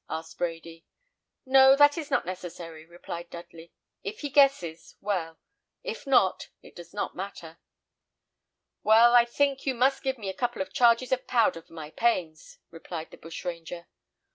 asked Brady. "No, that is not necessary," replied Dudley. "If he guesses, well; if not, it does not matter." "Well, I think you must give me a couple of charges of powder for my pains," replied the bushranger.